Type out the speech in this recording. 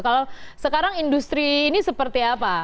kalau sekarang industri ini seperti apa